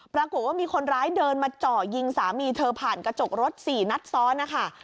ปรากฏว่ามีคนร้ายเดินมาเจาะยิงสามีเธอผ่านกระจกรถ๔นัดซ้อนนะคะ